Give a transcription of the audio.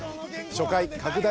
初回拡大